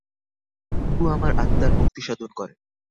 গুরু আমার আত্মার মুক্তিসাধন করেন।